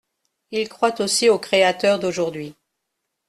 Il croit aussi aux créateurs d’aujourd’hui.